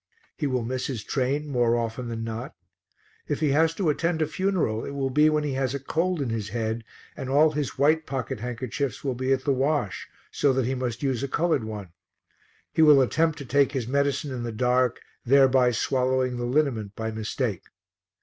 He will miss his train more often than not; if he has to attend a funeral it will be when he has a cold in his head, and all his white pocket handkerchiefs will be at the wash, so that he must use a coloured one; he will attempt to take his medicine in the dark, thereby swallowing the liniment by mistake.